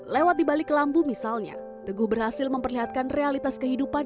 lewat di balik lambu misalnya teguh berhasil memperlihatkan realitas kehidupan